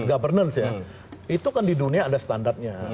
governance ya itu kan di dunia ada standarnya